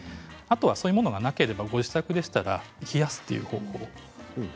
そういうものがなければご自宅でしたら冷やすという方法。